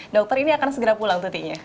dokter ini akan segera pulang tutinya